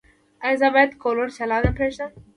ایا زه باید کولر چالانه پریږدم؟